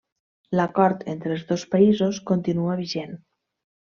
L'acord entre els dos països continua vigent.